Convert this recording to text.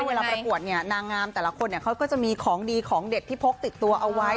เวลาประกวดเนี่ยนางงามแต่ละคนเขาก็จะมีของดีของเด็ดที่พกติดตัวเอาไว้